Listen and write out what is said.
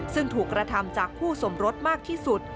ซึ่งถูกกระทำจากคู่สมรสมากที่สุด